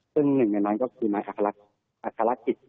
ซึ่งหนึ่งก็คือไม้อัครกิจ